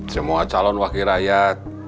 semua calon wakil rakyat